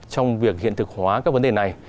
trong việc hiện thực hóa các vấn đề này